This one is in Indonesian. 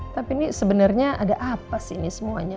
tapi ini sebenarnya ada apa sih ini semuanya